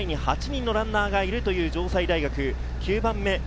前に８人のランナーがいるという城西大学。